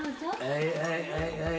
はいはいはいはい。